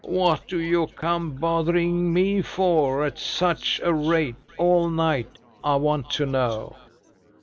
"What do you come bothering me for at such a rate, all night, I want to know?"